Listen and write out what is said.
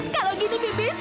kalau begini bibi stress